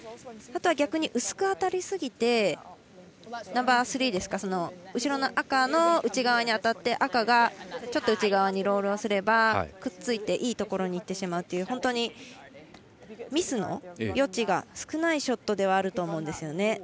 あとは逆に薄く当たりすぎてナンバースリー後ろの赤の内側に当たって赤がちょっと内側にロールすればくっついていいところにいってしまうという本当にミスの余地が少ないショットではあると思うんですね。